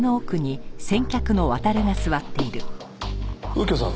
右京さん